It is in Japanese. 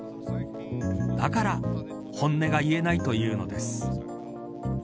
だから本音が言えないというのです。